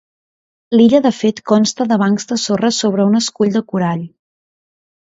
L'illa de fet consta de bancs de sorra sobre un escull de corall.